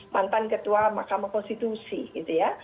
mantan ketua mahkamah konstitusi gitu ya